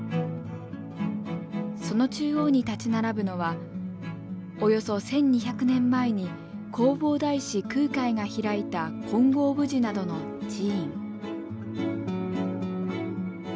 その中央に立ち並ぶのはおよそ１，２００年前に弘法大師空海が開いた金剛峯寺などの寺院。